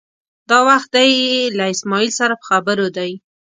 دا وخت دی له اسمعیل سره په خبرو دی.